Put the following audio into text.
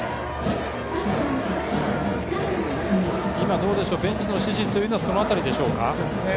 今のベンチの指示はその辺りでしょうか。